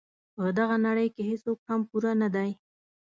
په دغه نړۍ کې هیڅوک هم پوره نه دي.